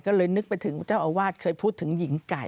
ก็เลยนึกไปถึงเจ้าอาวาสเคยพูดถึงหญิงไก่